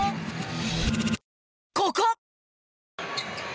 ここ！